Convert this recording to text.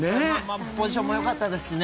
ポジションもよかったですしね。